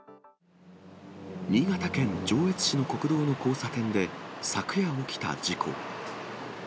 新潟県上越市の国道の交差点で昨夜起きた事故。